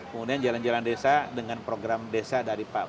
kemudian jalan jalan desa dengan program desa dari pak